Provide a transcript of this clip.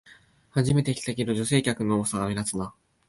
初めて来たけど、女性客の多さが目立つな